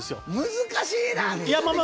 難しいな。